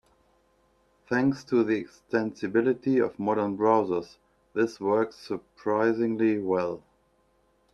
Thanks to the extensibility of modern browsers, this works surprisingly well.